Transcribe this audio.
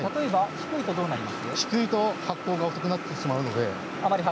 低いと発酵が遅くなってしまうので。